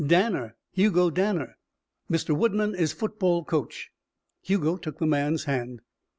"Danner. Hugo Danner." "Mr. Woodman is football coach." Hugo took the man's hand.